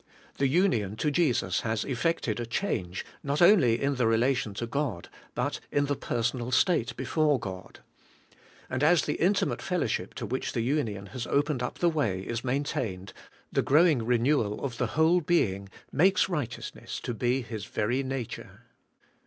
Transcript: ' The union to Jesus has eflEected a change not only in the relation to God, but in the personal state before God. And as the intimate fellowship to which the union has opened up the way is maintained, the growing re newal of the whole being makes righteousness to be his very nature.